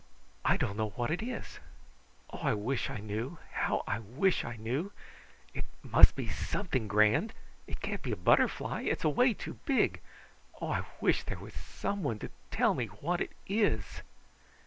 "I don't know what it is! Oh, I wish I knew! How I wish I knew! It must be something grand! It can't be a butterfly! It's away too big. Oh, I wish there was someone to tell me what it is!"